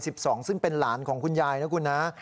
ซึ่งเป็นหลานของคุณยายนะคุณนะ